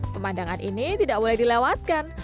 pemandangan ini tidak boleh dilewatkan